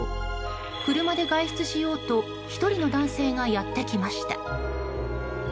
車で外出しようと１人の男性がやってきました。